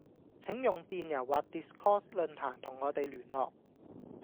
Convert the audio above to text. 請用電郵或 Discourse 論壇同我地聯絡